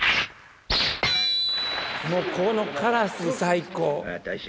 ここのカラス最高。